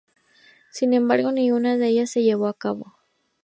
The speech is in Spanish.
Sin embargo, ninguna de ellas se llevó a cabo.